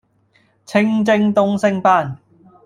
清蒸東星斑